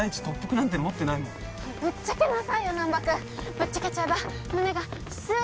ぶっちゃけちゃえば胸がすーっとして。